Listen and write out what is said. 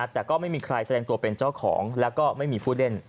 แต่ก็ไม่มีใครแสดงตัวเป็นเจ้าของแล้วก็ไม่มีผู้เล่น